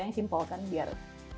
yang simpel kan biar